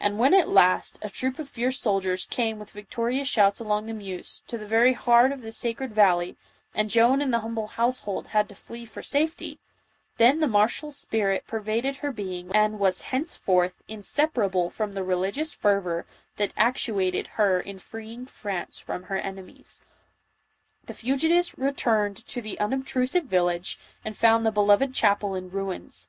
And when, at last, a troop of fierce soldiers came with victorious shouts along the Meuse, to the very heart of the sacred valley, and Joan and the humble household had to flee for safety, then the martial spirit pervaded her being and was henceforth inseparable from the religious fervor that actuated her in freeing France from her enemies. The fugitives returned to the unobtrusive village and found the beloved chapel in ruins.